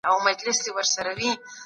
په منظور له وطن څخه